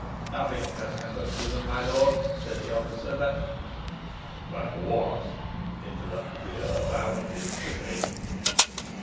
"Nothing hath happened to them, my lord," said the officer, "but " "But what?" interrupted the earl. "Out with it quickly."